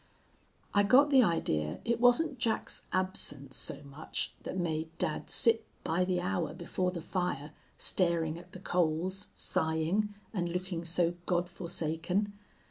"I got the idea it wasn't Jack's absence so much that made dad sit by the hour before the fire, staring at the coals, sighing, and looking so God forsaken.